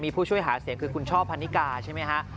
ผู้ช่วยหาเสียงคือคุณช่อพันนิกาใช่ไหมฮะ